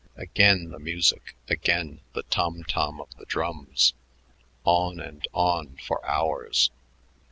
Again the music, again the tom tom of the drums. On and on for hours.